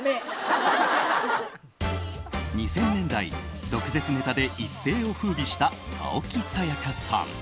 ２０００年代毒舌ネタで一世を風靡した青木さやかさん。